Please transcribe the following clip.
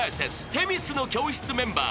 『女神の教室』メンバー］